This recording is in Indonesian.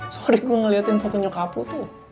sorry gue ngeliatin fotonya kapu tuh